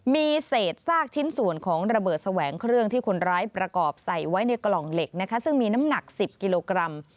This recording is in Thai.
มีเศษซากชิ้นส่วนของระเบิดแสวงเครื่องที่คนร้ายประกอบใส่ไว้ในกล่องเหล็กนะคะซึ่งมีน้ำหนัก๑๐กิโลกรัม